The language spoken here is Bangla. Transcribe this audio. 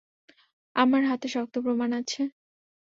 আমার হাতে শক্ত প্রমাণ আছে।